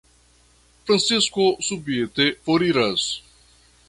Francisko subite foriras.